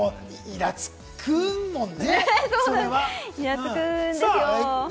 いらつくんですよ。